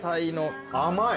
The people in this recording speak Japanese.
甘い。